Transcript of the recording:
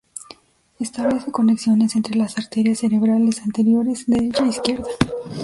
Establece conexiones entre las arterias cerebrales anteriores derecha e izquierda.